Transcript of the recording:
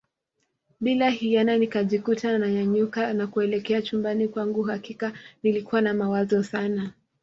Bila hiana nikajikuta na nyanyuka na kuelekea chumbani kwangu hakika nilikuwa na mawazo Sana